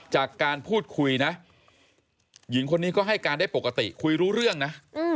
จากการพูดคุยนะหญิงคนนี้ก็ให้การได้ปกติคุยรู้เรื่องนะ